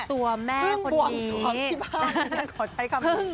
ตัวแม่คนนี้